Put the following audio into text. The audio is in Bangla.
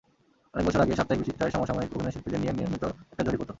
অনেক বছর আগে সাপ্তাহিক বিচিত্রায় সমসাময়িক অভিনয়শিল্পীদের নিয়ে নিয়মিত একটা জরিপ হতো।